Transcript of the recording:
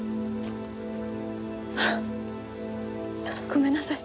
ごめんなさい。